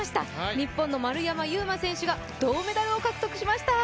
日本の丸山優真選手が銅メダルを獲得しました。